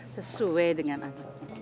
sesuai dengan anakku